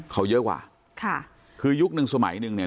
เขาเยอะกว่าค่ะคือยุคนึงสมัยหนึ่งเนี่ย